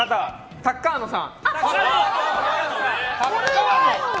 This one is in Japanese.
タッカーノさん！